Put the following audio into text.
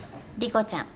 莉子ちゃん。